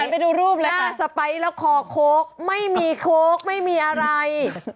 ไปดูรูปเลยค่ะสไปร์แล้วคอโค้กไม่มีโค้กไม่มีอะไร